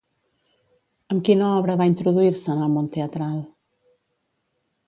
Amb quina obra va introduir-se en el món teatral?